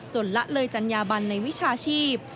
ละเลยจัญญาบันในวิชาชีพ